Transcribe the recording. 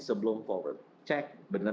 sebelum forward cek benar